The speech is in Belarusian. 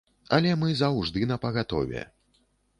Але мы заўжды напагатове.